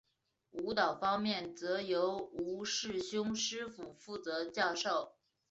舞蹈方面则由吴世勋师傅负责教授。